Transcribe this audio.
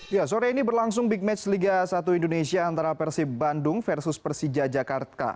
ya sore ini berlangsung big match liga satu indonesia antara persib bandung versus persija jakarta